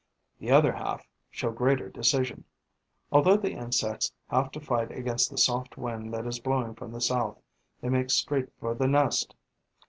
The other half show greater decision. Although the insects have to fight against the soft wind that is blowing from the south, they make straight for the nest.